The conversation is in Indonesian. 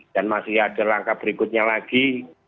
dan masih ada langkah berikutnya lagi